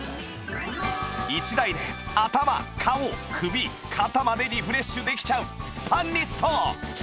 １台で頭顔首肩までリフレッシュできちゃうスパニスト！